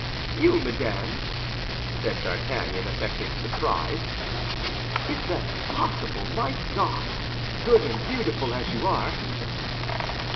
"You, madame!" said D'Artagnan, affecting surprise; "is that possible, my God?—good and beautiful as you are!"